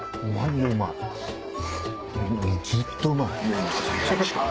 もうずっとうまい。